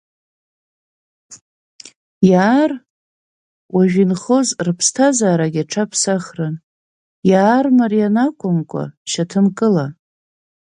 Иаар, уажәы инхоз рԥсҭазаарагьы аҽаԥсахрын, иаармариан акәымкәан, шьаҭанкыла.